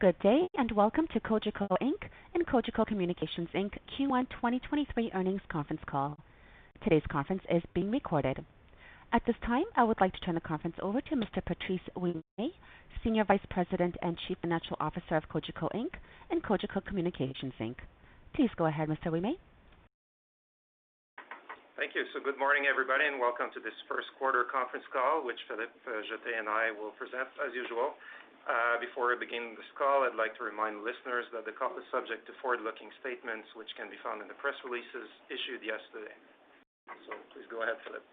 Good day. Welcome to Cogeco Inc. and Cogeco Communications Inc. Q1 2023 earnings conference call. Today's conference is being recorded. At this time, I would like to turn the conference over to Mr. Patrice Ouimet, Senior Vice President and Chief Financial Officer of Cogeco Inc. and Cogeco Communications Inc. Please go ahead, Mr. Ouimet. Thank you. Good morning, everybody, and welcome to this first quarter conference call, which Philippe Jetté and I will present as usual. Before we begin this call, I'd like to remind listeners that the call is subject to forward-looking statements, which can be found in the press releases issued yesterday. Please go ahead, Philippe.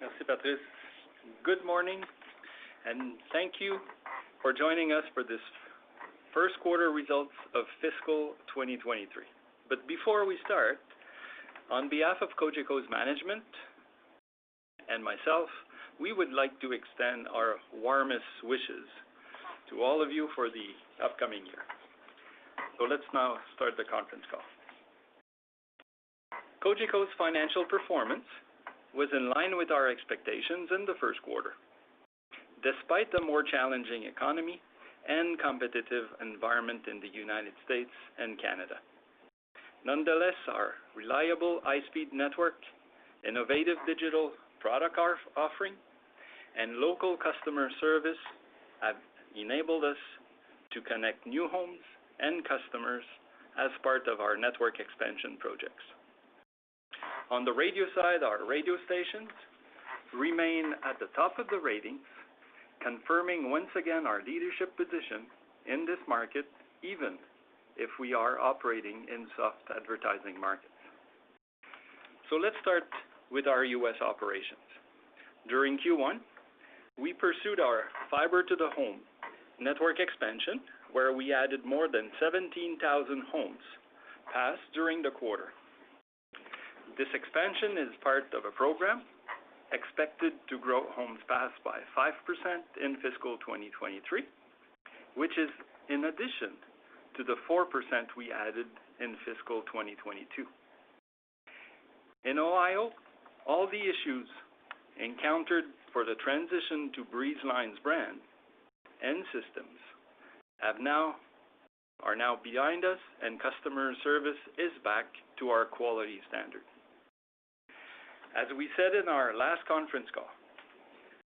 Merci, Patrice. Good morning. Thank you for joining us for this first quarter results of fiscal 2023. Before we start, on behalf of Cogeco's management and myself, we would like to extend our warmest wishes to all of you for the upcoming year. Let's now start the conference call. Cogeco's financial performance was in line with our expectations in the first quarter, despite the more challenging economy and competitive environment in the United States and Canada. Nonetheless, our reliable high-speed network, innovative digital product offering, and local customer service have enabled us to connect new homes and customers as part of our network expansion projects. On the radio side, our radio stations remain at the top of the ratings, confirming once again our leadership position in this market, even if we are operating in soft advertising markets. Let's start with our U.S operations. During Q1, we pursued our fiber to the home network expansion, where we added more than 17,000 homes passed during the quarter. This expansion is part of a program expected to grow homes passed by 5% in fiscal 2023, which is in addition to the 4% we added in fiscal 2022. In Ohio, all the issues encountered for the transition to Breezeline brand and systems are now behind us, and customer service is back to our quality standard. As we said in our last conference call,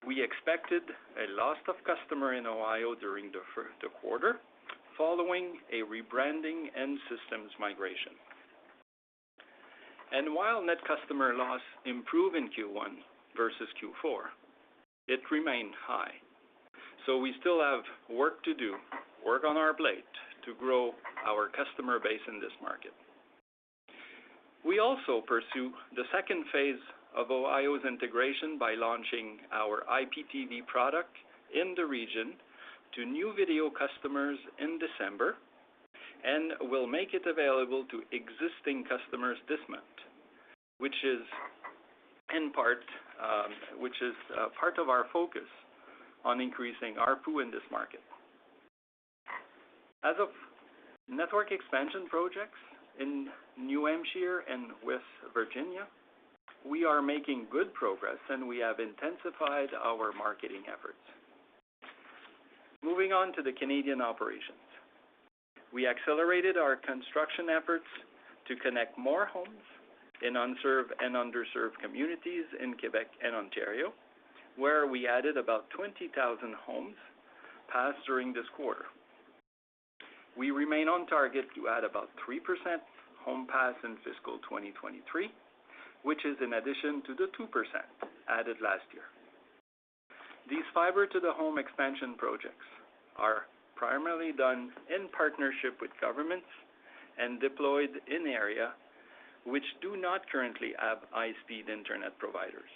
we expected a loss of customer in Ohio during the quarter following a rebranding and systems migration. While net customer loss improved in Q1 versus Q4, it remained high. We still have work to do, work on our plate to grow our customer base in this market. We also pursue the second phase of Ohio's integration by launching our IPTV product in the region to new video customers in December and will make it available to existing customers this month, which is in part, which is part of our focus on increasing ARPU in this market. As of network expansion projects in New Hampshire and with Virginia, we are making good progress, and we have intensified our marketing efforts. Moving on to the Canadian operations. We accelerated our construction efforts to connect more homes in unserved and underserved communities in Quebec and Ontario, where we added about 20,000 homes passed during this quarter. We remain on target to add about 3% home pass in fiscal 2023, which is in addition to the 2% added last year. These fiber to the home expansion projects are primarily done in partnership with governments and deployed in area which do not currently have high-speed internet providers.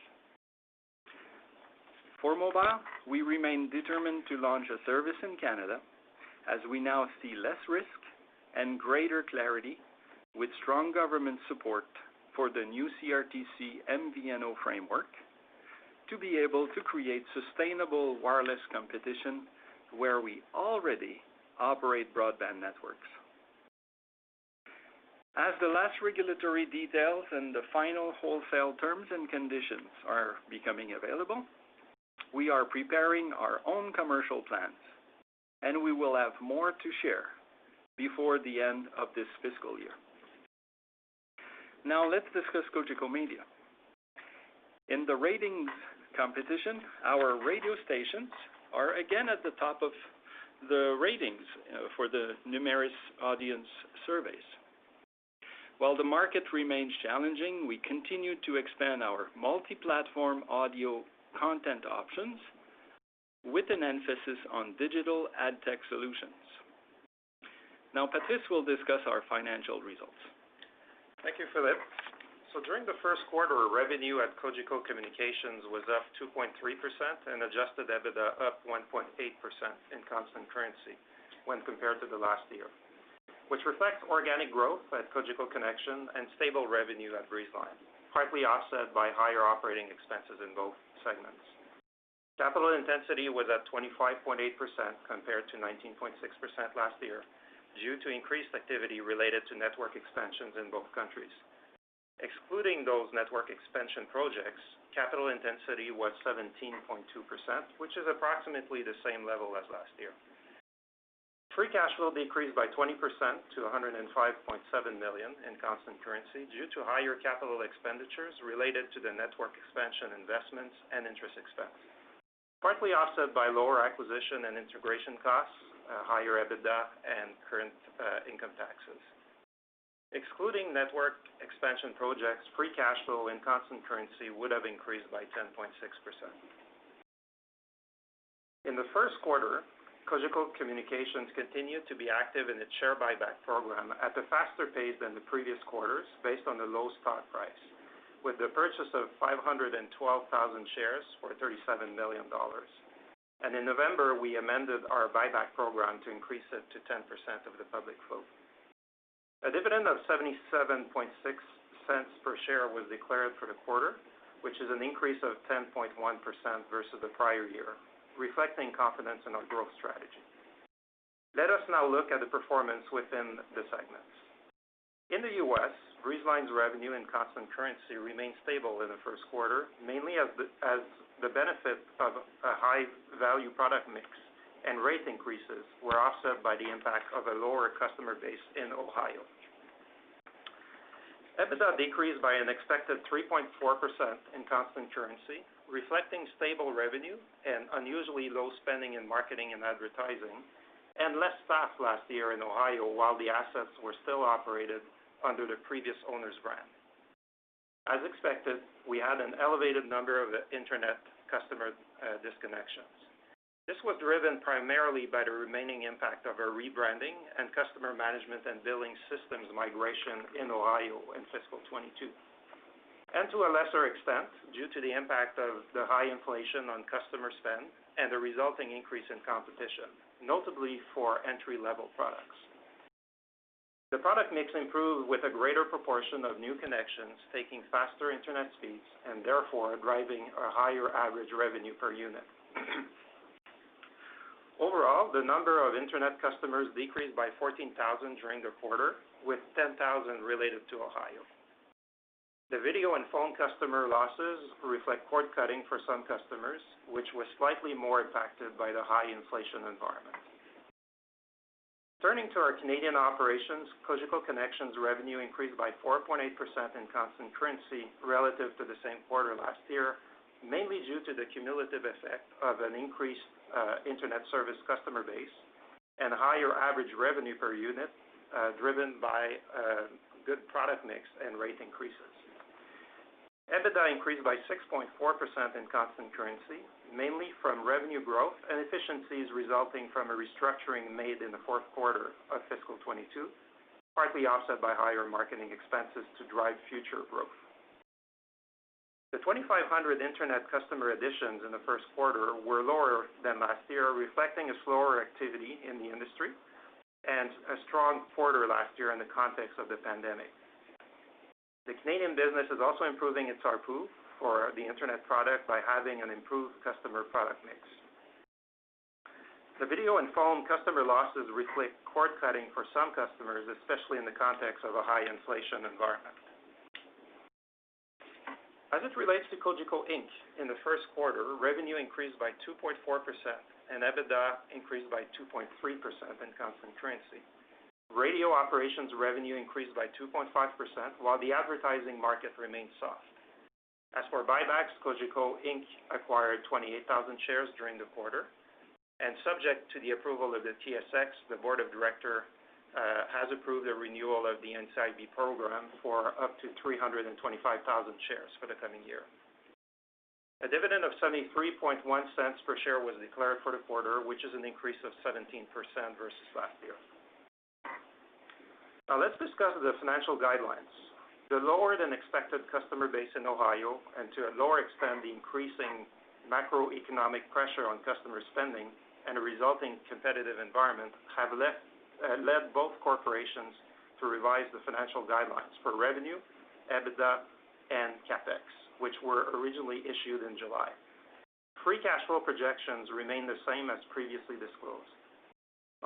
For mobile, we remain determined to launch a service in Canada as we now see less risk and greater clarity with strong government support for the new CRTC MVNO framework to be able to create sustainable wireless competition where we already operate broadband networks. As the last regulatory details and the final wholesale terms and conditions are becoming available, we are preparing our own commercial plans, and we will have more to share before the end of this fiscal year. Let's discuss Cogeco Media. In the ratings competition, our radio stations are again at the top of the ratings, for the Numeris audience surveys. While the market remains challenging, we continue to expand our multi-platform audio content options with an emphasis on digital ad tech solutions. Now Patrice will discuss our financial results. Thank you, Philippe. During the first quarter, revenue at Cogeco Communications was up 2.3% and adjusted EBITDA up 1.8% in constant currency when compared to the last year, which reflects organic growth at Cogeco Connexion and stable revenue at Breezeline, partly offset by higher operating expenses in both segments. Capital intensity was at 25.8% compared to 19.6% last year due to increased activity related to network expansions in both countries. Excluding those network expansion projects, capital intensity was 17.2%, which is approximately the same level as last year. Free cash flow decreased by 20% to 105.7 million in constant currency due to higher capital expenditures related to the network expansion investments and interest expense, partly offset by lower acquisition and integration costs, higher EBITDA and current income taxes. Excluding network expansion projects, free cash flow in constant currency would have increased by 10.6%. In the first quarter, Cogeco Communications continued to be active in its share buyback program at a faster pace than the previous quarters based on the low stock price, with the purchase of 512,000 shares for 37 million dollars. In November, we amended our buyback program to increase it to 10% of the public float. A dividend of 0.776 per share was declared for the quarter, which is an increase of 10.1% versus the prior year, reflecting confidence in our growth strategy. Let us now look at the performance within the segments. In the U.S., Breezeline's revenue and constant currency remained stable in the first quarter, mainly as the benefit of a high-value product mix and rate increases were offset by the impact of a lower customer base in Ohio. EBITDA decreased by an expected 3.4% in constant currency, reflecting stable revenue and unusually low spending in marketing and advertising, and less staff last year in Ohio while the assets were still operated under the previous owner's brand. As expected, we had an elevated number of internet customer disconnections. This was driven primarily by the remaining impact of our rebranding and customer management and billing systems migration in Ohio in fiscal 22, and to a lesser extent, due to the impact of the high inflation on customer spend and the resulting increase in competition, notably for entry-level products. The product mix improved with a greater proportion of new connections, taking faster internet speeds and therefore driving a higher average revenue per unit. Overall, the number of internet customers decreased by 14,000 during the quarter, with 10,000 related to Ohio. The video and phone customer losses reflect cord-cutting for some customers, which was slightly more impacted by the high inflation environment. Turning to our Canadian operations, Cogeco Connexion revenue increased by 4.8% in constant currency relative to the same quarter last year, mainly due to the cumulative effect of an increased internet service customer base and higher average revenue per unit, driven by a good product mix and rate increases. EBITDA increased by 6.4% in constant currency, mainly from revenue growth and efficiencies resulting from a restructuring made in the fourth quarter of fiscal 2022, partly offset by higher marketing expenses to drive future growth. The 2,500 internet customer additions in the first quarter were lower than last year, reflecting a slower activity in the industry and a strong quarter last year in the context of the pandemic. The Canadian business is also improving its ARPU for the internet product by having an improved customer product mix. The video and phone customer losses reflect cord-cutting for some customers, especially in the context of a high inflation environment. As it relates to Cogeco Inc. in the first quarter, revenue increased by 2.4%, and EBITDA increased by 2.3% in constant currency. Radio operations revenue increased by 2.5%, while the advertising market remained soft. As for buybacks, Cogeco Inc. acquired 28,000 shares during the quarter, and subject to the approval of the TSX, the board of director has approved a renewal of the NCIB program for up to 325,000 shares for the coming year. A dividend of 0.731 per share was declared for the quarter, which is an increase of 17% versus last year. Now let's discuss the financial guidelines. The lower-than-expected customer base in Ohio and to a lower extent, the increasing macroeconomic pressure on customer spending and a resulting competitive environment have led both corporations to revise the financial guidelines for revenue, EBITDA, and CapEx, which were originally issued in July. Free cash flow projections remain the same as previously disclosed.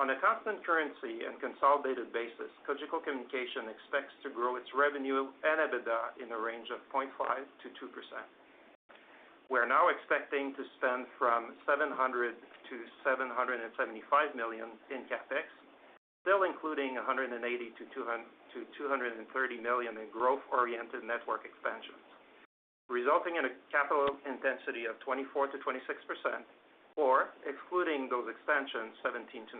On a constant currency and consolidated basis, Cogeco Communication expects to grow its revenue and EBITDA in the range of 0.5%-2%. We're now expecting to spend from 700 million-775 million in CapEx, still including 180 million-230 million in growth-oriented network expansions, resulting in a capital intensity of 24%-26% or excluding those expansions, 17%-19%.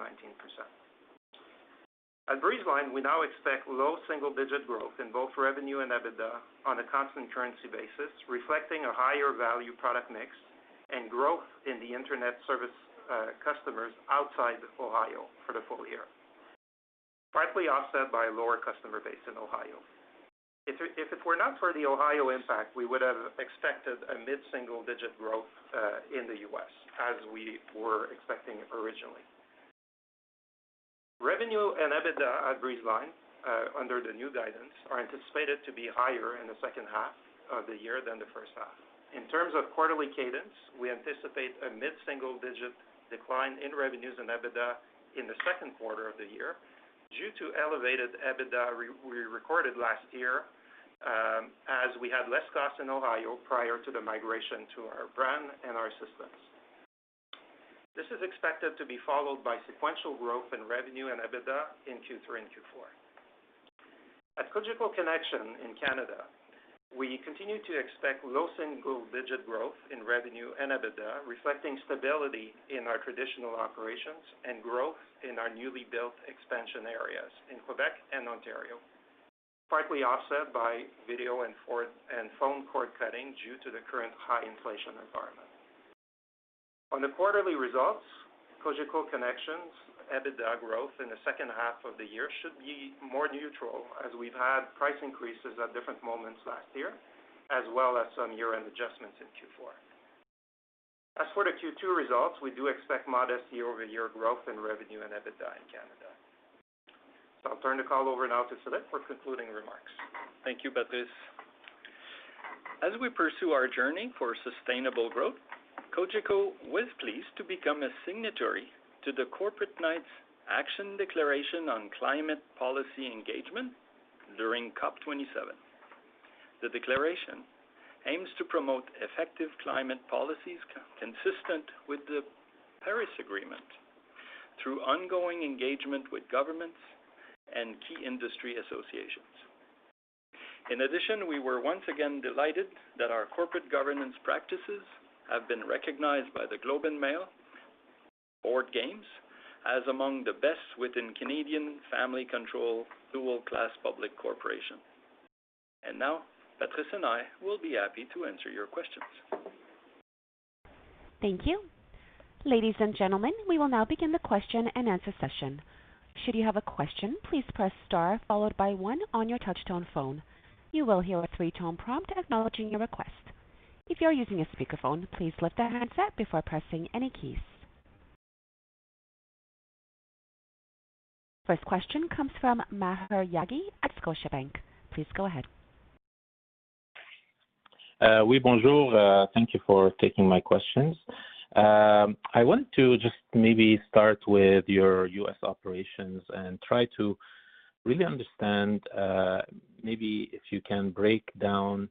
At Breezeline, we now expect low single-digit growth in both revenue and EBITDA on a constant currency basis, reflecting a higher value product mix and growth in the internet service customers outside of Ohio for the full year, partly offset by a lower customer base in Ohio. If it were not for the Ohio impact, we would have expected a mid-single-digit growth in the U.S., as we were expecting originally. Revenue and EBITDA at Breezeline, under the new guidance, are anticipated to be higher in the second half of the year than the first half. In terms of quarterly cadence, we anticipate a mid-single-digit decline in revenues and EBITDA in the second quarter of the year due to elevated EBITDA we recorded last year, as we had less cost in Ohio prior to the migration to our brand and our systems. This is expected to be followed by sequential growth in revenue and EBITDA in Q3 and Q4. At Cogeco Connexion in Canada, we continue to expect low single-digit growth in revenue and EBITDA, reflecting stability in our traditional operations and growth in our newly built expansion areas in Quebec and Ontario, partly offset by video and phone cord-cutting due to the current high inflation environment. On the quarterly results, Cogeco Connexion EBITDA growth in the second half of the year should be more neutral as we've had price increases at different moments last year, as well as some year-end adjustments in Q4. As for the Q2 results, we do expect modest year-over-year growth in revenue and EBITDA in Canada. I'll turn the call over now to Philippe for concluding remarks. Thank you, Patrice. As we pursue our journey for sustainable growth, Cogeco was pleased to become a signatory to the Corporate Knights Action Declaration on Climate Policy Engagement during COP27. The declaration aims to promote effective climate policies consistent with the Paris Agreement through ongoing engagement with governments and key industry associations. In addition, we were once again delighted that our corporate governance practices have been recognized by The Globe and Mail Board Games as among the best within Canadian family-controlled dual-class public corporations. Now, Patrice and I will be happy to answer your questions. Thank you. Ladies and gentlemen, we will now begin the question-and-answer session. Should you have a question, please press star followed by one on your touch-tone phone. You will hear a three-tone prompt acknowledging your request. If you're using a speakerphone, please lift the handset before pressing any keys. First question comes from Maher Yaghi at Scotiabank. Please go ahead. Oui bonjour, thank you for taking my questions. I want to just maybe start with your U.S. operations and try to really understand, maybe if you can break down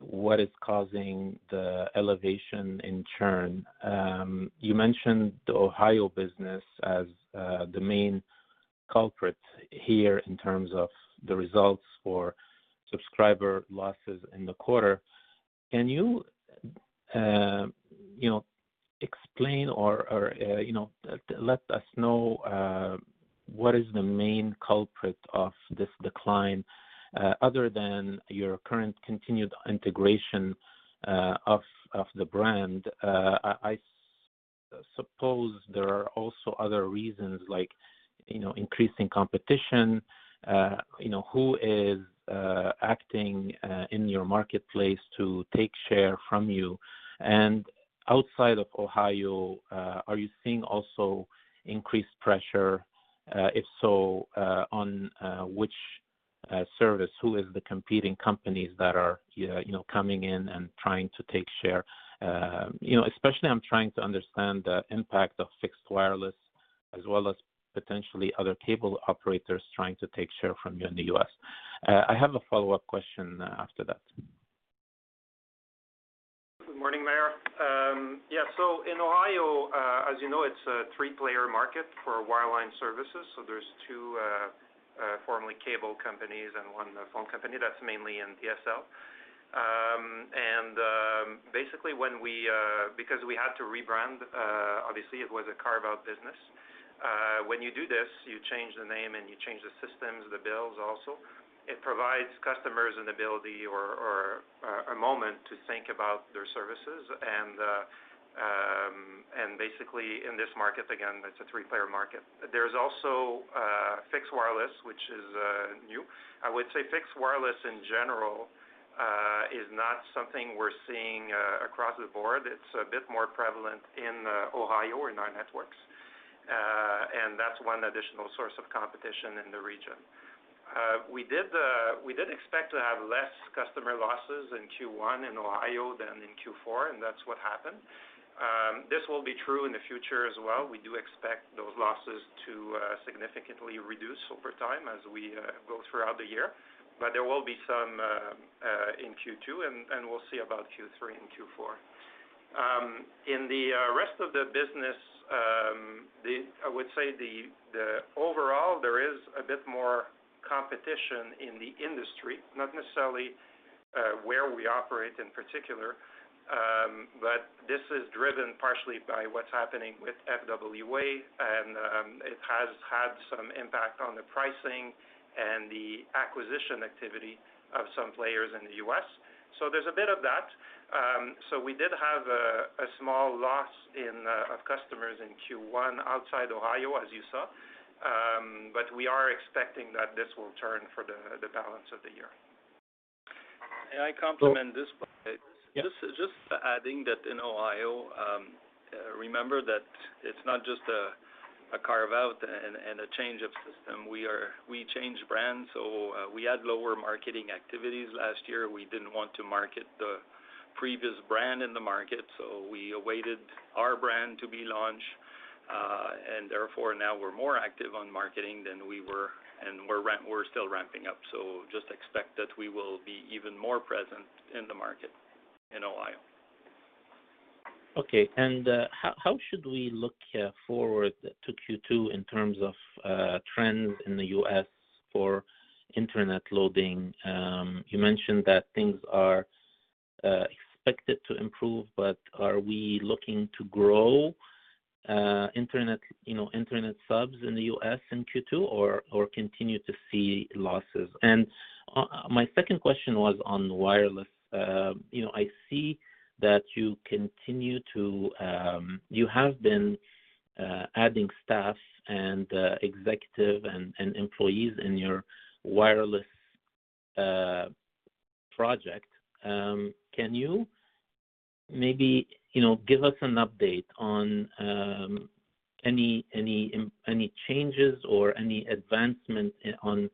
what is causing the elevation in churn. You mentioned the Ohio business as the main culprit here in terms of the results for subscriber losses in the quarter. Can you know, explain or, you know, let us know what is the main culprit of this decline, other than your current continued integration of the brand? I suppose there are also other reasons like, you know, increasing competition, you know, who is acting in your marketplace to take share from you? Outside of Ohio, are you seeing also increased pressure? If so, on which service? Who is the competing companies that are, you know, coming in and trying to take share? You know, especially I'm trying to understand the impact of fixed wireless as well as potentially other cable operators trying to take share from you in the U.S. I have a follow-up question after that. Good morning, Maher. In Ohio, as you know, it's a three-player market for wireline services. There's two, formerly cable companies and one phone company that's mainly in DSL. Basically, when we, because we had to rebrand, obviously, it was a carve-out business. When you do this, you change the name, and you change the systems, the bills also. It provides customers an ability or a moment to think about their services. Basically in this market, again, it's a three-player market. There's also fixed wireless, which is new. I would say fixed wireless in general is not something we're seeing across the board. It's a bit more prevalent in Ohio in our networks. That's one additional source of competition in the region. We did expect to have less customer losses in Q1 in Ohio than in Q4. That's what happened. This will be true in the future as well. We do expect those losses to significantly reduce over time as we go throughout the year. There will be some in Q2, and we'll see about Q3 and Q4. In the rest of the business, I would say the overall, there is a bit more competition in the industry, not necessarily where we operate in particular. This is driven partially by what's happening with FWA, and it has had some impact on the pricing and the acquisition activity of some players in the U.S. There's a bit of that. We did have a small loss in of customers in Q1 outside Ohio, as you saw. We are expecting that this will turn for the balance of the year. May I complement this, Patrice? Yeah. Just adding that in Ohio, remember that it's not just a carve out and a change of system. We changed brands, so we had lower marketing activities last year. We didn't want to market the previous brand in the market, so we awaited our brand to be launched. Therefore now we're more active on marketing than we were, and we're still ramping up. Just expect that we will be even more present in the market in Ohio. Okay. How should we look forward to Q2 in terms of trends in the U.S. for internet loading? You mentioned that things are expected to improve, but are we looking to grow, you know, internet subs in the U.S. in Q2 or continue to see losses? My second question was on wireless. You know, I see that you have been adding staff and executive and employees in your wireless project. Can you maybe, you know, give us an update on any changes or any advancement on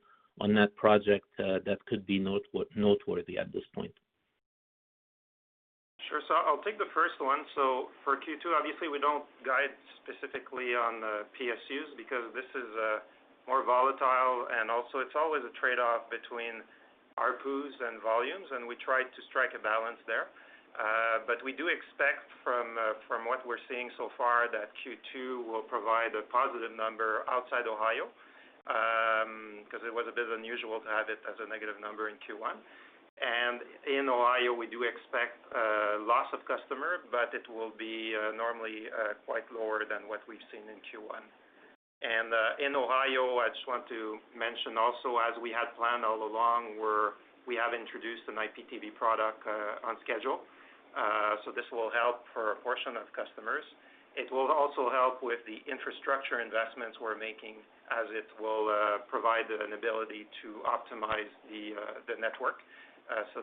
that project that could be noteworthy at this point? Sure. I'll take the first one. For Q2, obviously we don't guide specifically on PSUs because this is more volatile and also it's always a trade-off between ARPUs and volumes, and we try to strike a balance there. We do expect from what we're seeing so far that Q2 will provide a positive number outside Ohio, because it was a bit unusual to have it as a negative number in Q1. In Ohio, we do expect loss of customer, but it will be normally quite lower than what we've seen in Q1. In Ohio, I just want to mention also as we had planned all along, we have introduced an IPTV product on schedule. This will help for a portion of customers. It will also help with the infrastructure investments we're making as it will provide an ability to optimize the network.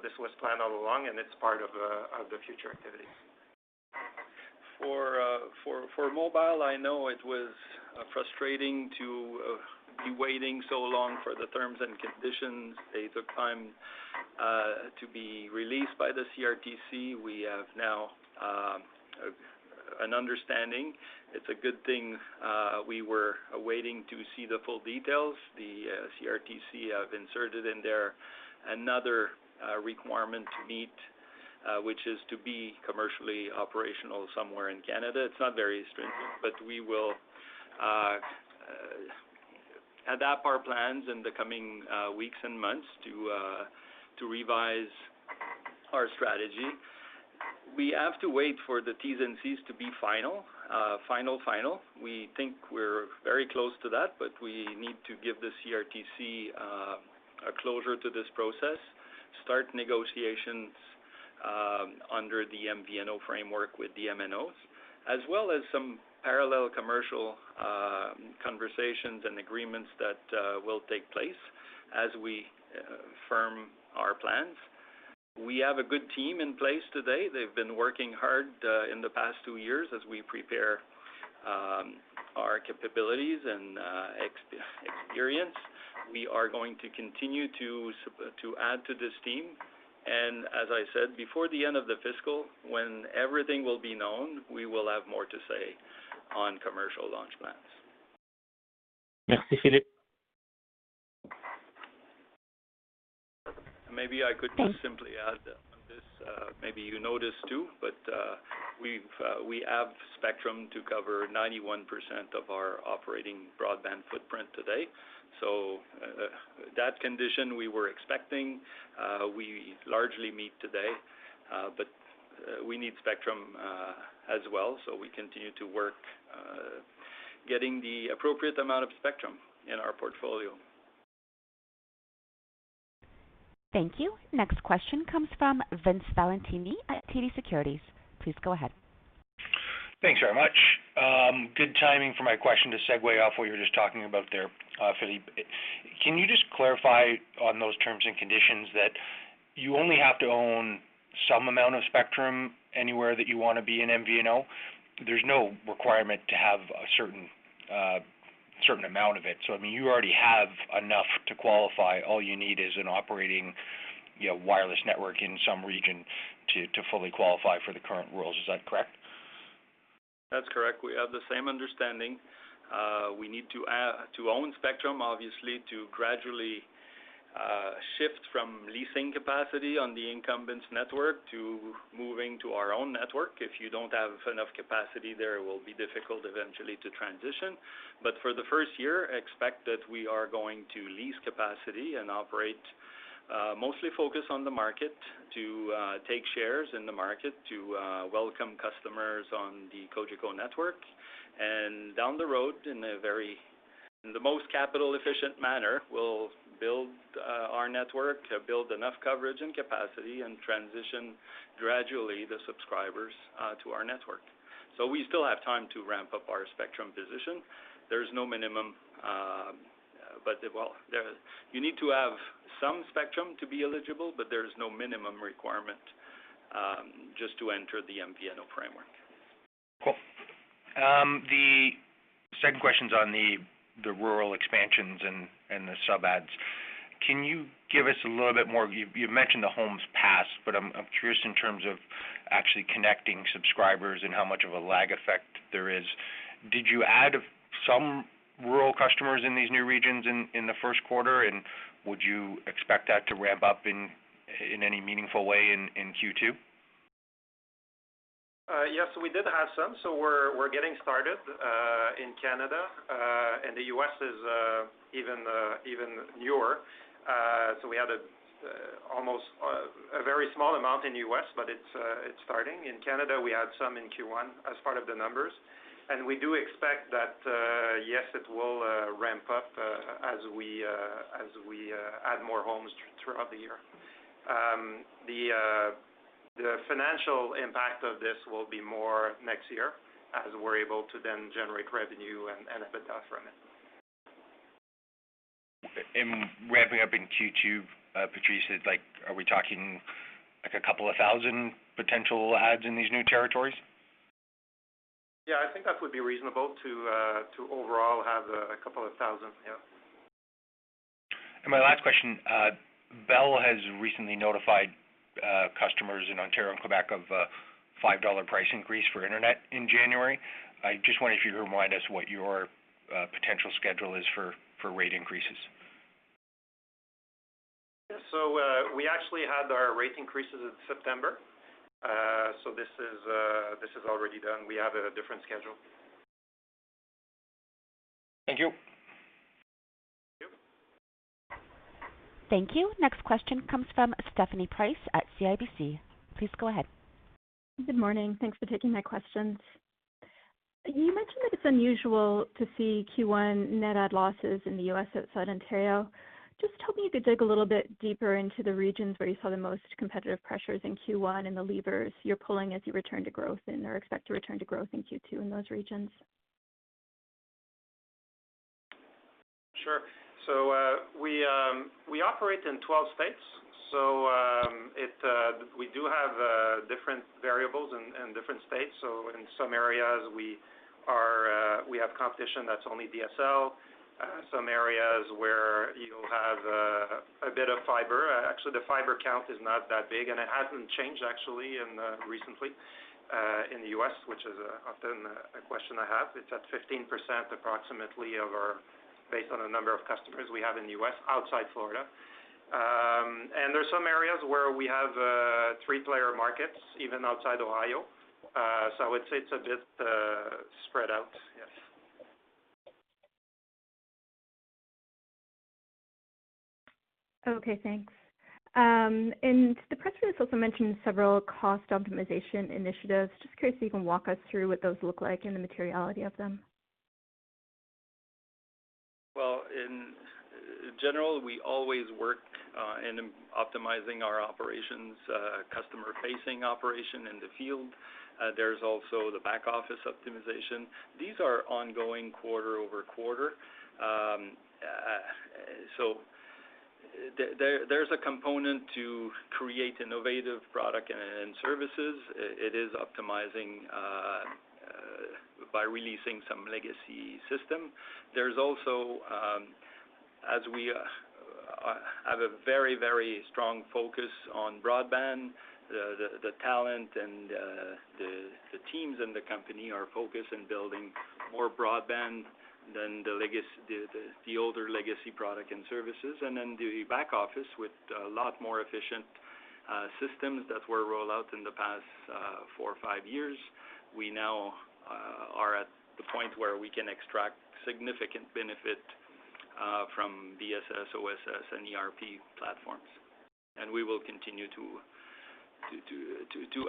This was planned all along, and it's part of the future activities. For mobile, I know it was frustrating to be waiting so long for the terms and conditions. They took time to be released by the CRTC. We have now an understanding. It's a good thing, we were waiting to see the full details. The CRTC have inserted in there another requirement to meet, which is to be commercially operational somewhere in Canada. It's not very stringent, but we will adapt our plans in the coming weeks and months to revise our strategy. We have to wait for the T&Cs to be final final. We think we're very close to that, but we need to give the CRTC a closure to this process, start negotiations under the MVNO framework with the MNOs, as well as some parallel commercial conversations and agreements that will take place as we firm our plans. We have a good team in place today. They've been working hard in the past two years as we prepare our capabilities and experience. We are going to continue to add to this team. As I said, before the end of the fiscal, when everything will be known, we will have more to say on commercial launch plans. Merci, Philippe. Maybe I could just simply add on this, maybe you noticed too, we've, we have spectrum to cover 91% of our operating broadband footprint today. That condition we were expecting, we largely meet today, we need spectrum as well. We continue to work getting the appropriate amount of spectrum in our portfolio. Thank you. Next question comes from Vince Valentini at TD Securities, please go ahead. Thanks very much. Good timing for my question to segue off what you were just talking about there, Philippe. Can you just clarify on those terms and conditions that you only have to own some amount of spectrum anywhere that you wanna be in MVNO? There's no requirement to have a certain amount of it. I mean, you already have enough to qualify. All you need is an operating, you know, wireless network in some region to fully qualify for the current rules. Is that correct? That's correct. We have the same understanding. We need to own spectrum, obviously, to gradually shift from leasing capacity on the incumbents network to moving to our own network. If you don't have enough capacity there, it will be difficult eventually to transition. For the first year, expect that we are going to lease capacity and operate mostly focused on the market to take shares in the market to welcome customers on the Cogeco network. Down the road, in the most capital efficient manner, we'll build our network, build enough coverage and capacity and transition gradually the subscribers to our network. We still have time to ramp up our spectrum position. There's no minimum Well, there, you need to have some spectrum to be eligible, but there is no minimum requirement, just to enter the MVNO framework. Cool. The second question's on the rural expansions and the sub adds. Can you give us a little bit more... You, you mentioned the homes passed, but I'm curious in terms of actually connecting subscribers and how much of a lag effect there is. Did you add some rural customers in these new regions in the first quarter? Would you expect that to ramp up in any meaningful way in Q2? Yes, we did have some. We're getting started in Canada, and the U.S. is even newer. We had almost a very small amount in the U.S., but it's starting. In Canada, we had some in Q1 as part of the numbers, and we do expect that, yes, it will ramp up as we add more homes throughout the year. The financial impact of this will be more next year as we're able to then generate revenue and EBITDA from it. In ramping up in Q2, Patrice, it's like, are we talking like 2,000 potential adds in these new territories? Yeah, I think that would be reasonable to overall have 2,000, yeah. My last question. Bell has recently notified customers in Ontario and Quebec of a CAD five price increase for internet in January. I just wonder if you could remind us what your potential schedule is for rate increases? We actually had our rate increases in September. This is already done. We have a different schedule. Thank you. Thank you. Thank you. Next question comes from Stephanie Price at CIBC. Please go ahead. Good morning. Thanks for taking my questions. You mentioned that it's unusual to see Q1 net add losses in the U.S. outside Ontario. Just hoping you could dig a little bit deeper into the regions where you saw the most competitive pressures in Q1 and the levers you're pulling as you return to growth in or expect to return to growth in Q2 in those regions. Sure. We operate in 12 states. We do have different variables in different states. In some areas we are, we have competition that's only DSL. Some areas where you have a bit of fiber. Actually, the fiber count is not that big, and it hasn't changed actually recently in the U.S., which is often a question I have. It's at 15% approximately of our based on the number of customers we have in the U.S. outside Florida. There's some areas where we have three-player markets, even outside Ohio. I would say it's a bit spread out. Yes. Okay, thanks. The press release also mentioned several cost optimization initiatives. Just curious if you can walk us through what those look like and the materiality of them? Well, in general, we always work in optimizing our operations, customer-facing operation in the field. There's also the back office optimization. These are ongoing quarter-over-quarter. There, there's a component to create innovative product and services. It is optimizing by releasing some legacy system. There's also, as we have a very, very strong focus on broadband, the talent and the teams in the company are focused in building more broadband than the older legacy product and services. The back office with a lot more efficient systems that were rolled out in the past four or five years. We now are at the point where we can extract significant benefit from OSS and ERP platforms. We will continue to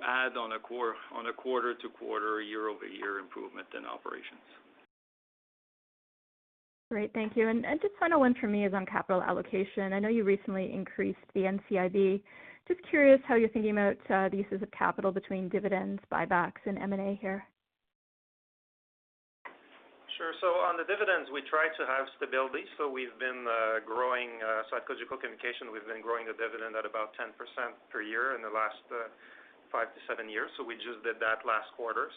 add on a quarter-over-quarter, year-over-year improvement in operations. Great. Thank you. Just final one for me is on capital allocation. I know you recently increased the NCIB. Just curious how you're thinking about the uses of capital between dividends, buybacks, and M&A here. Sure. On the dividends, we try to have stability. At Cogeco Communications, we've been growing the dividend at about 10% per year in the last 5-7 years. We just did that last quarter.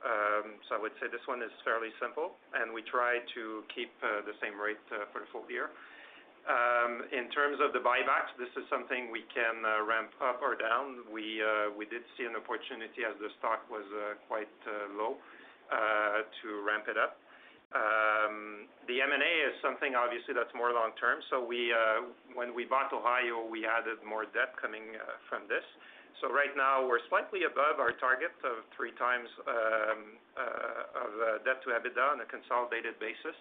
I would say this one is fairly simple, and we try to keep the same rate for the full year. In terms of the buybacks, this is something we can ramp up or down. We did see an opportunity as the stock was quite low to ramp it up. The M&A is something obviously that's more long term. We, when we bought Ohio, we added more debt coming from this. Right now we're slightly above our target of three times, of debt to EBITDA on a consolidated basis.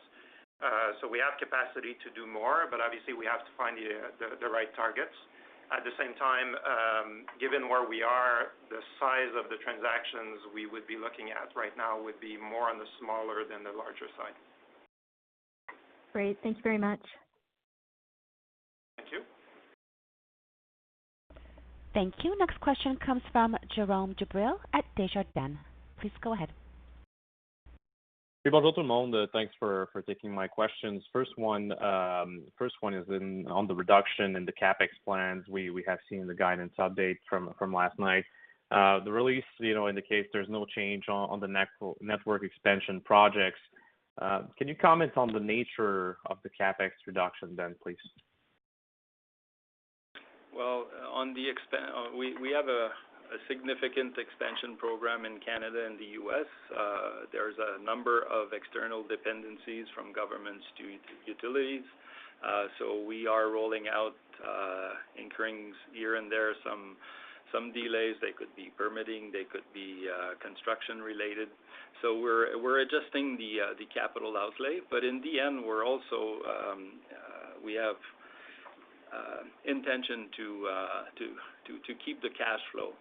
We have capacity to do more, but obviously we have to find the right targets. At the same time, given where we are, the size of the transactions we would be looking at right now would be more on the smaller than the larger side. Great. Thank you very much. Thank you. Next question comes from Jérôme Dubreuil at Desjardins. Please go ahead. Thanks for taking my questions. First one, on the reduction in the CapEx plans. We have seen the guidance update from last night. The release, you know, indicates there's no change on the network expansion projects. Can you comment on the nature of the CapEx reduction, please? On the we have a significant expansion program in Canada and the U.S. There's a number of external dependencies from governments to utilities. We are rolling out, incurring here and there some delays. They could be permitting, they could be construction related. We're adjusting the capital outlay. In the end, we're also, we have intention to keep the cash flow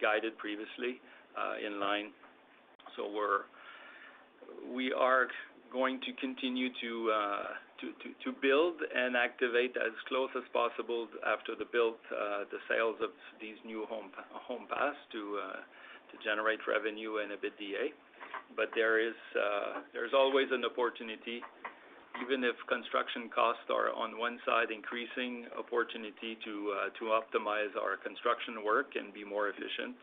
guided previously in line. We are going to continue to build and activate as close as possible after the built, the sales of these new home pass to generate revenue and EBITDA. There's always an opportunity, even if construction costs are on one side, increasing opportunity to optimize our construction work and be more efficient.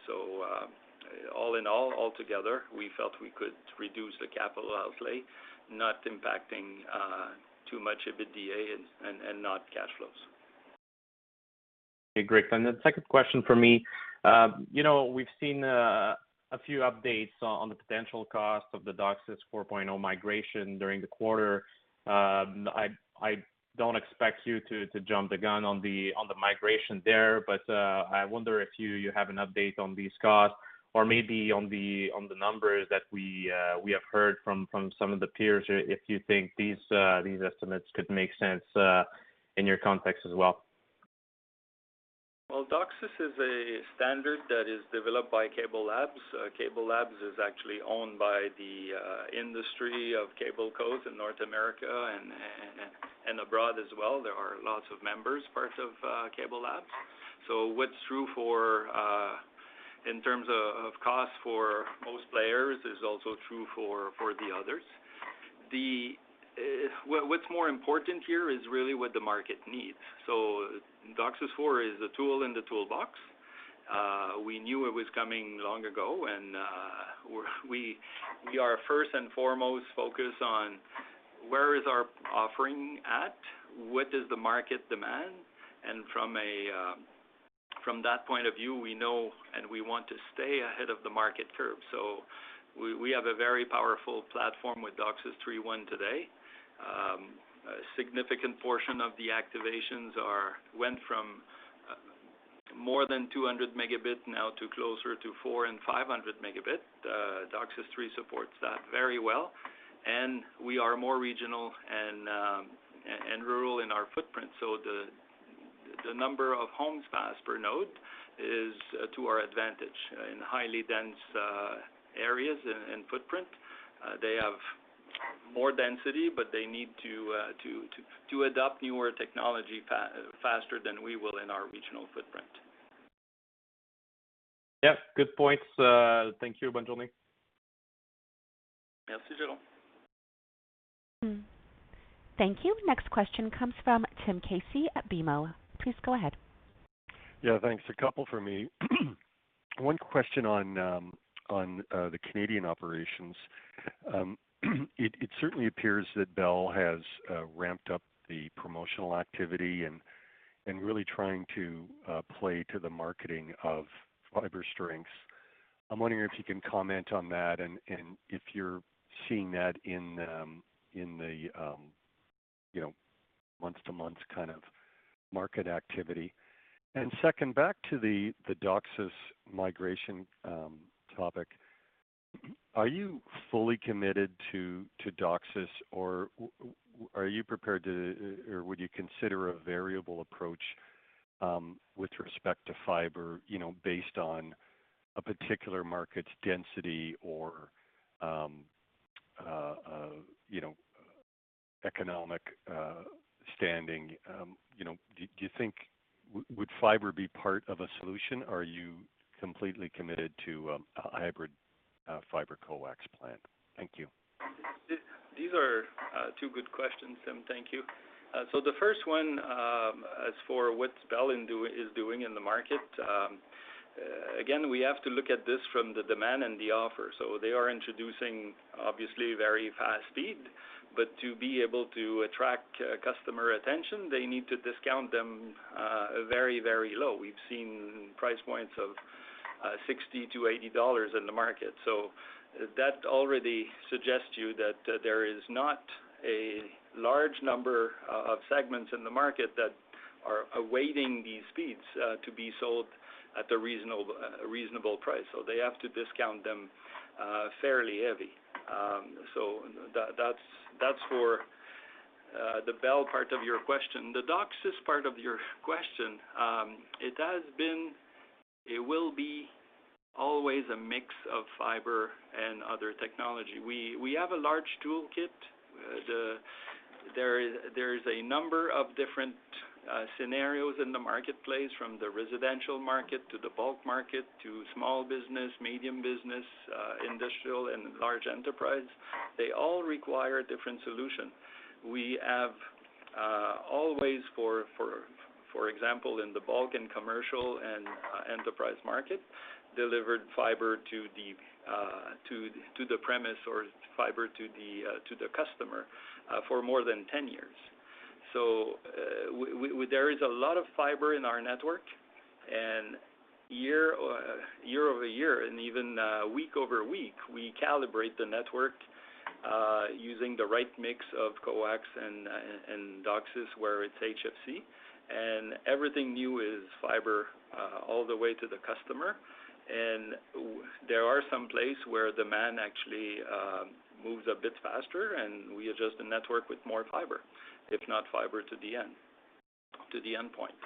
All in all, altogether, we felt we could reduce the capital outlay, not impacting too much EBITDA and not cash flows. Okay, great. The second question for me. you know, we've seen a few updates on the potential cost of the DOCSIS 4.0 migration during the quarter. I don't expect you to jump the gun on the migration there, but I wonder if you have an update on these costs or maybe on the numbers that we have heard from some of the peers, if you think these estimates could make sense in your context as well. DOCSIS is a standard that is developed by CableLabs. CableLabs is actually owned by the industry of cable-cos in North America and abroad as well. There are lots of members, parts of CableLabs. What's true for in terms of cost for most players is also true for the others. What's more important here is really what the market needs. DOCSIS 4 is a tool in the toolbox. We knew it was coming long ago, and we are first and foremost focused on where is our offering at? What does the market demand? From a, from that point of view, we know and we want to stay ahead of the market curve. We have a very powerful platform with DOCSIS 3.1 today. A significant portion of the activations went from more than 200 megabit now to closer to 400 and 500 megabit. DOCSIS 3 supports that very well. We are more regional and rural in our footprint. The number of homes passed per node is to our advantage. In highly dense areas and footprint, they have more density, but they need to adopt newer technology faster than we will in our regional footprint. Yeah, good points. Thank you. Merci, Jérôme. Thank you. Next question comes from Tim Casey at BMO. Please go ahead. Thanks. A couple for me. One question on the Canadian operations. It certainly appears that Bell has ramped up the promotional activity and really trying to play to the marketing of fiber strengths. I'm wondering if you can comment on that and if you're seeing that in the month-to-month kind of market activity. Second, back to the DOCSIS migration topic. Are you fully committed to DOCSIS or are you prepared to, or would you consider a variable approach with respect to fiber, you know, based on a particular market's density or economic standing? You know, would fiber be part of a solution? Are you completely committed to a hybrid fiber co-ax plan? Thank you. These are two good questions, Tim. Thank you. The first one, as for what Bell is doing in the market, again, we have to look at this from the demand and the offer. They are introducing obviously very fast speed, but to be able to attract customer attention, they need to discount them very, very low. We've seen price points of 60-80 dollars in the market. That already suggests to you that there is not a large number of segments in the market that are awaiting these speeds to be sold at a reasonable price. They have to discount them fairly heavy. That's for the Bell part of your question. The DOCSIS part of your question, it will be always a mix of fiber and other technology. We have a large toolkit. There is a number of different scenarios in the marketplace, from the residential market to the bulk market to small business, medium business, industrial and large enterprise. They all require different solution. We have always for example, in the bulk and commercial and enterprise market, delivered fiber to the premise or fiber to the customer, for more than 10 years. There is a lot of fiber in our network and year-over-year and even week-over-week, we calibrate the network using the right mix of coax and DOCSIS, where it's HFC. Everything new is fiber, all the way to the customer. There are some place where demand actually moves a bit faster, and we adjust the network with more fiber, if not fiber to the endpoint.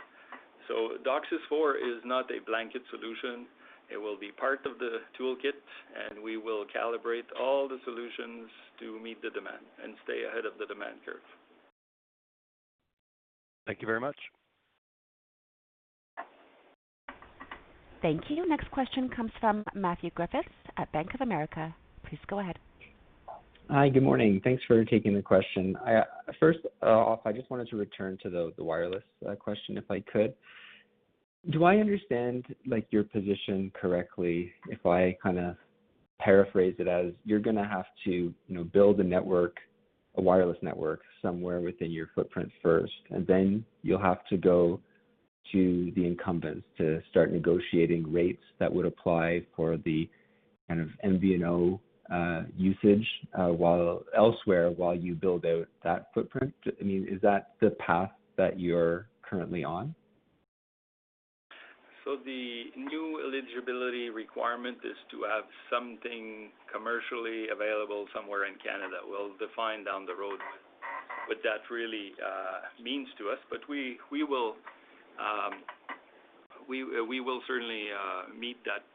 DOCSIS 4 is not a blanket solution. It will be part of the toolkit, and we will calibrate all the solutions to meet the demand and stay ahead of the demand curve. Thank you very much. Thank you. Next question comes from Matthew Griffiths at Bank of America. Please go ahead. Hi. Good morning. Thanks for taking the question. I, first, off, I just wanted to return to the wireless question, if I could. Do I understand, like, your position correctly if I kinda paraphrase it as, you're gonna have to, you know, build a network, a wireless network somewhere within your footprint first, and then you'll have to go to the incumbents to start negotiating rates that would apply for the kind of MVNO usage, while elsewhere, while you build out that footprint? I mean, is that the path that you're currently on? The new eligibility requirement is to have something commercially available somewhere in Canada. We'll define down the road what that really means to us. We will certainly meet that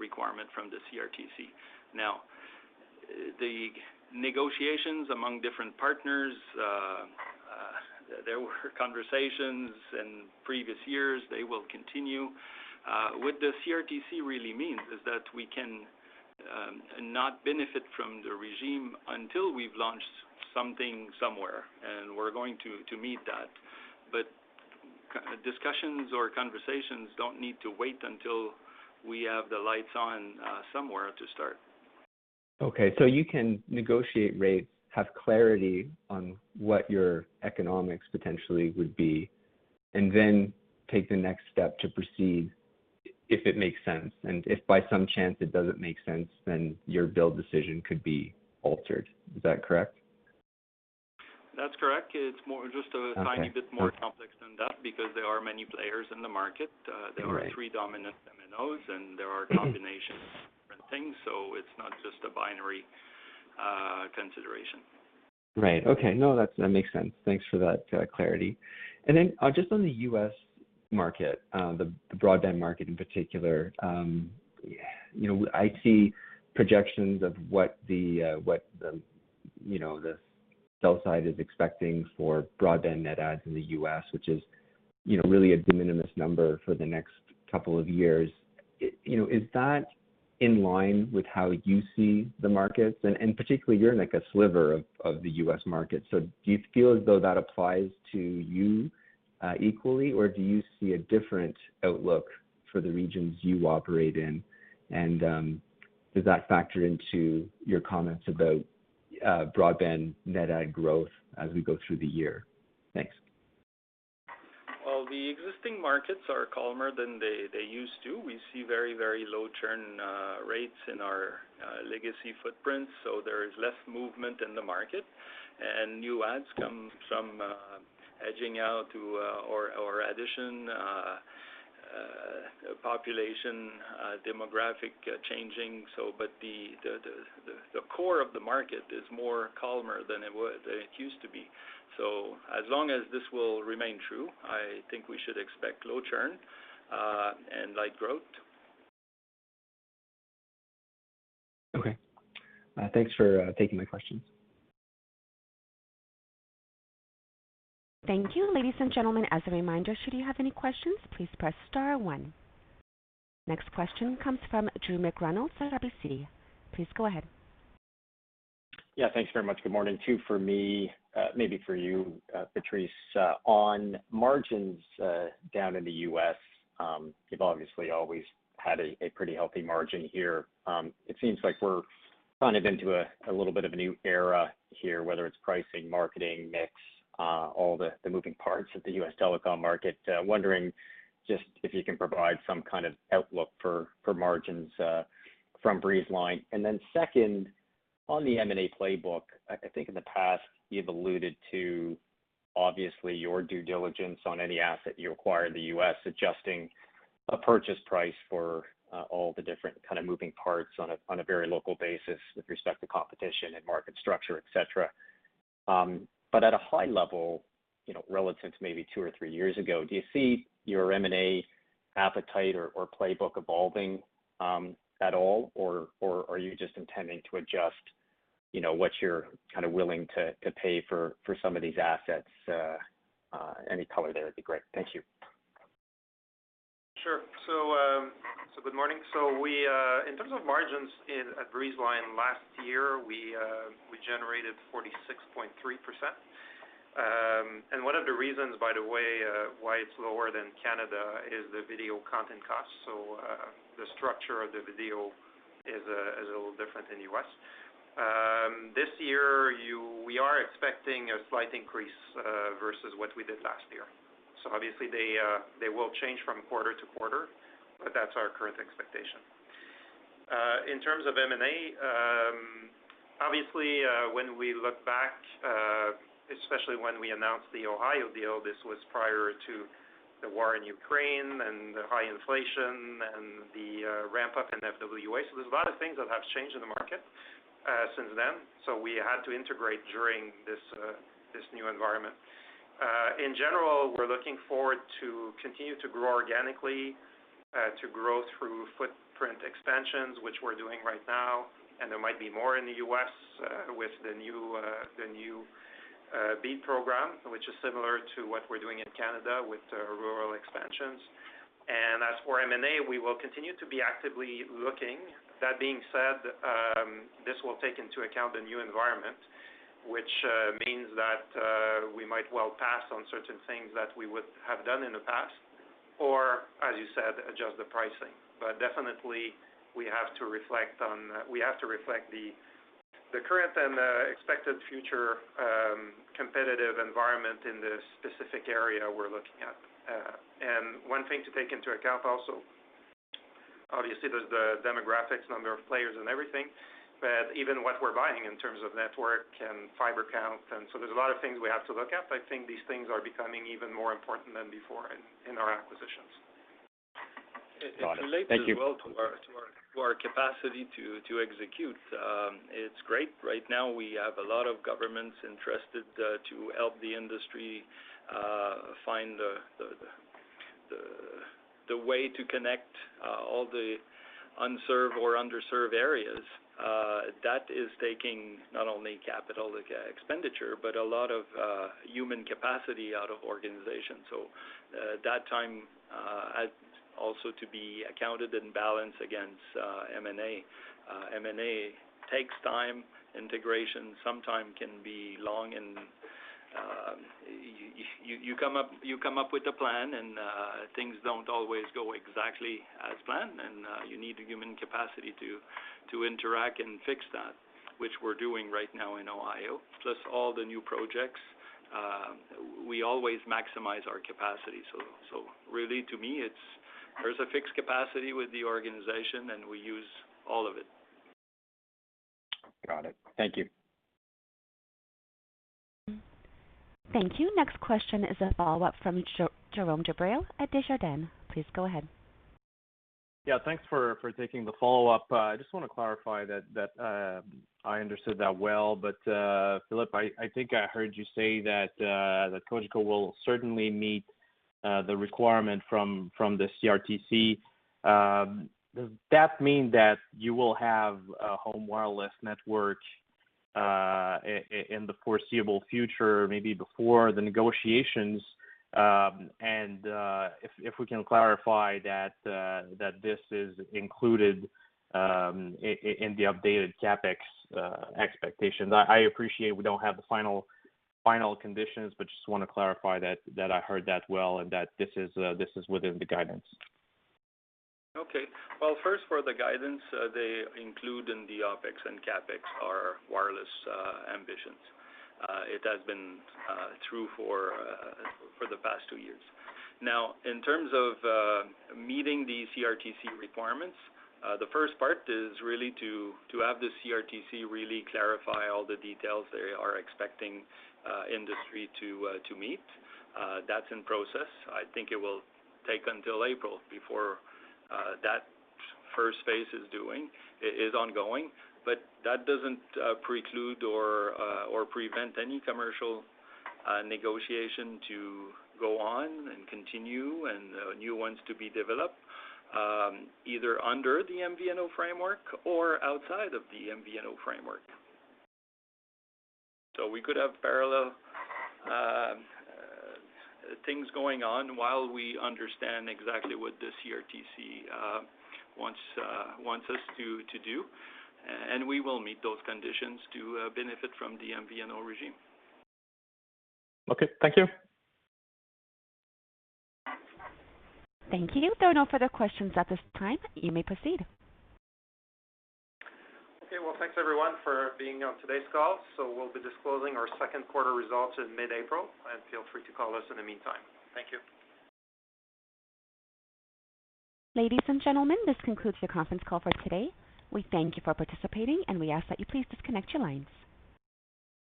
requirement from the CRTC. The negotiations among different partners, there were conversations in previous years. They will continue. What the CRTC really means is that we can not benefit from the regime until we've launched something somewhere, and we're going to meet that. Discussions or conversations don't need to wait until we have the lights on somewhere to start. Okay. You can negotiate rates, have clarity on what your economics potentially would be, and then take the next step to proceed if it makes sense. If by some chance it doesn't make sense, then your build decision could be altered. Is that correct? That's correct. It's more just. Okay. tiny bit more complex than that because there are many players in the market. Right. There are three dominant MNOs, and there are combinations of different things, so it's not just a binary consideration. Right. Okay. No, that's, that makes sense. Thanks for that clarity. Just on the U.S market, the broadband market in particular, you know, I see projections of what the, what the, you know, the sell side is expecting for broadband net adds in the U.S, which is, you know, really a de minimis number for the next couple of years. You know, is that in line with how you see the markets? Particularly, you're like a sliver of the U.S market. Do you feel as though that applies to you equally, or do you see a different outlook for the regions you operate in? Does that factor into your comments about broadband net add growth as we go through the year? Thanks. The existing markets are calmer than they used to. We see very, very low churn rates in our legacy footprint, so there is less movement in the market. New adds come from edging out to or addition population demographic changing. But the core of the market is more calmer than it used to be. As long as this will remain true, I think we should expect low churn and light growth. Okay. thanks for taking my questions. Thank you. Ladies and gentlemen, as a reminder, should you have any questions, please press star one. Next question comes from Drew McReynolds at RBC, please go ahead. Thanks very much. Good morning. two for me, maybe for you, Patrice. On margins, down in the U.S., you've obviously always had a pretty healthy margin here. It seems like we're kind of into a little bit of a new era here, whether it's pricing, marketing, mix, all the moving parts of the U.S. telecom market. Wondering just if you can provide some kind of outlook for margins from Breezeline. Then second, on the M&A playbook, I think in the past you've alluded to obviously your due diligence on any asset you acquire in the U.S., adjusting a purchase price for all the different kind of moving parts on a, on a very local basis with respect to competition and market structure, et cetera. But at a high level, you know, relative to maybe two or three years ago, do you see your M&A appetite or playbook evolving at all? Or are you just intending to adjust, you know, what you're kinda willing to pay for some of these assets? Any color there would be great. Thank you. Sure. Good morning. We, in terms of margins at Breezeline last year, we generated 46.3%. And one of the reasons, by the way, why it's lower than Canada is the video content cost. The structure of the video is a little different than U.S. This year, we are expecting a slight increase versus what we did last year. Obviously they will change from quarter to quarter, but that's our current expectation. In terms of M&A, obviously, when we look back, especially when we announced the Ohio deal, this was prior to the war in Ukraine and the high inflation and the ramp-up in FWA. There's a lot of things that have changed in the market since then. We had to integrate during this new environment. In general, we're looking forward to continue to grow organically, to grow through footprint expansions, which we're doing right now. There might be more in the U.S. with the new, the new BEAD Program, which is similar to what we're doing in Canada with rural expansions. As for M&A, we will continue to be actively looking. That being said, this will take into account the new environment, which means that we might well pass on certain things that we would have done in the past or, as you said, adjust the pricing. Definitely we have to reflect on... we have to reflect the current and expected future competitive environment in the specific area we're looking at. One thing to take into account also, obviously, there's the demographics, number of players and everything, but even what we're buying in terms of network and fiber count. There's a lot of things we have to look at. I think these things are becoming even more important than before in our acquisitions. Got it. Thank you. It relates as well to our capacity to execute. It's great. Right now, we have a lot of governments interested to help the industry find the way to connect all the unserved or underserved areas. That is taking not only capital expenditure, but a lot of human capacity out of organizations. That time has also to be accounted and balanced against M&A. M&A takes time. Integration sometime can be long and you come up with a plan and things don't always go exactly as planned, and you need the human capacity to interact and fix that, which we're doing right now in Ohio, plus all the new projects. We always maximize our capacity. Really, to me, it's... There's a fixed capacity with the organization, and we use all of it. Got it. Thank you. Thank you. Next question is a follow-up from Jérôme Dubreuil at Desjardins, please go ahead. Thanks for taking the follow-up. I just want to clarify that I understood that well. Philippe, I think I heard you say that Cogeco will certainly meet the requirement from the CRTC. Does that mean that you will have a home wireless network in the foreseeable future, maybe before the negotiations? If we can clarify that this is included in the updated CapEx expectations. I appreciate we don't have the final conditions, just want to clarify that I heard that well, and that this is within the guidance. Well, first for the guidance, they include in the OpEx and CapEx our wireless ambitions. It has been true for the past two years. In terms of meeting the CRTC requirements, the first part is really to have the CRTC really clarify all the details they are expecting industry to meet. That's in process. I think it will take until April before that first phase is doing. It is ongoing, that doesn't preclude or prevent any commercial negotiation to go on and continue and new ones to be developed either under the MVNO framework or outside of the MVNO framework. We could have parallel things going on while we understand exactly what the CRTC wants us to do. We will meet those conditions to benefit from the MVNO regime. Okay. Thank you. Thank you. There are no further questions at this time. You may proceed. Okay. Well, thanks everyone for being on today's call. We'll be disclosing our second quarter results in mid-April, and feel free to call us in the meantime. Thank you. Ladies and gentlemen, this concludes your conference call for today. We thank you for participating. We ask that you please disconnect your lines.